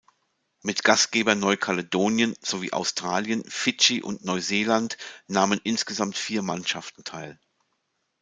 Mit Gastgeber Neukaledonien sowie Australien, Fidschi und Neuseeland nahmen insgesamt vier Mannschaften teil.